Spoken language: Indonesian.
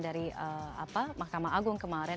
dari makam agung kemarin